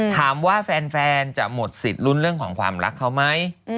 ถามว่าแฟนจะหมดสิทธิ์ลุ้นเรื่องของความรักเขาไหม